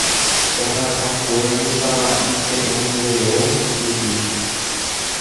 ohasakuévo Tava'i te'õngueo rupi